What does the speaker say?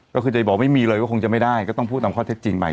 ก็คือจะบอกไม่มีเลยก็คงจะไม่ได้ก็ต้องพูดตามข้อเท็จจริงไป